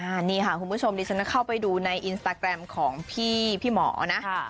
อันนี้ค่ะคุณผู้ชมดิฉันเข้าไปดูในอินสตาแกรมของพี่หมอนะ